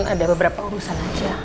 ada beberapa urusan aja